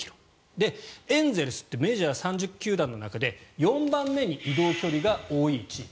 で、エンゼルスってメジャー３０球団の中で４番目に移動距離が多いチーム。